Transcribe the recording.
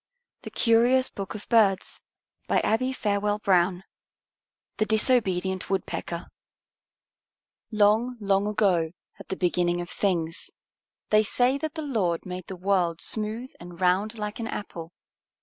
_ The Curious Book of Birds THE DISOBEDIENT WOODPECKER Long, long ago, at the beginning of things, they say that the Lord made the world smooth and round like an apple.